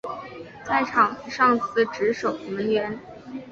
在场上司职守门员。